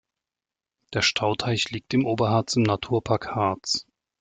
Der Stauteich liegt im Oberharz im Naturpark Harz.